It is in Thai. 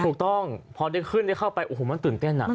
ถูกต้องพอได้ขึ้นได้เข้าไปโอ้โหมันตื่นเต้น